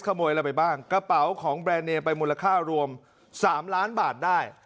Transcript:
ขโมยอะไรไปบ้างกระเป๋าของแบรนดเนมไปมูลค่ารวม๓ล้านบาทได้